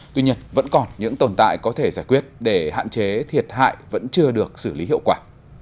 tuy nhiên vẫn còn những tồn tại có thể giải quyết để hạn chế thiệt hại vẫn chưa được xử lý hiệu quả